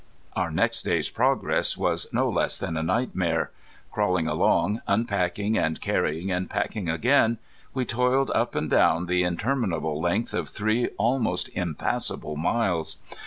Our next day's progress was no less than a nightmare. Crawling along, unpacking and carrying, and packing again, we toiled up and down the interminable length of three almost impassable miles.